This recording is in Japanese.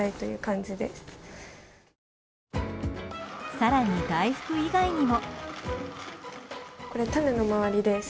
更に、大福以外にも。